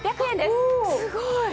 すごい！